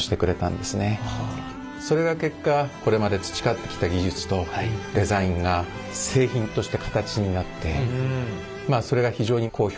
それが結果これまで培ってきた技術とデザインが製品として形になってまあそれが非常に好評な評判を呼んでですね